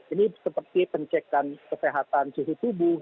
ini seperti pencegahan kesehatan suhu tubuh